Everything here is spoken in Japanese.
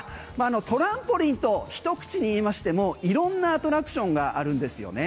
トランポリンとひと口に言いましてもいろんなアトラクションがあるんですよね。